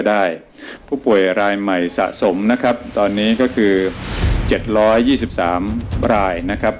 ได้ผู้ป่วยรายใหม่สะสมนะครับตอนนี้ก็คือ๗๒๓รายนะครับ